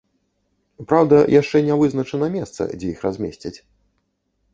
Праўда, яшчэ не вызначана месца, дзе іх размесцяць.